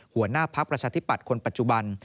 หัวหน้าพักประชาธิปัตย์คนปัจจุบัน